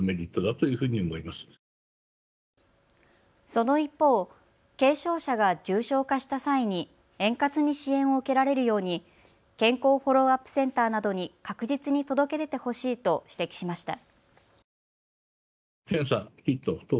その一方、軽症者が重症化した際に円滑に支援を受けられるように健康フォローアップセンターなどに確実に届け出てほしいと指摘しました。